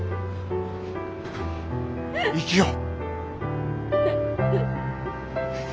生きよう。